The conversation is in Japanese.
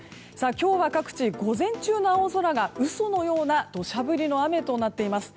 今日は各地午前中の青空が嘘のような土砂降りの雨となっています。